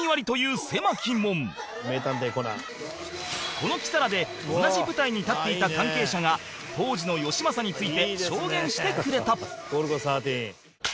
このキサラで同じ舞台に立っていた関係者が当時のよしまさについて証言してくれた